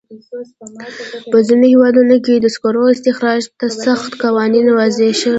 په ځینو هېوادونو کې د سکرو استخراج ته سخت قوانین وضع شوي.